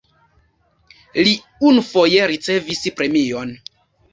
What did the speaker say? Li unufoje ricevis premion.